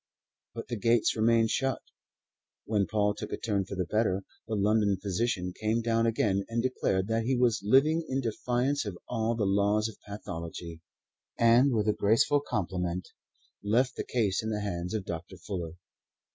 But the gates remained shut. When Paul took a turn for the better, the London physician came down again and declared that he was living in defiance of all the laws of pathology, and with a graceful compliment left the case in the hands of Dr. Fuller.